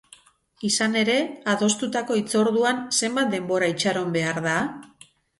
Izan ere, adostutako hitzorduan zenbat denbora itxaron behar da?